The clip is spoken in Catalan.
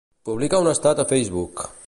Publica un estat a Facebook.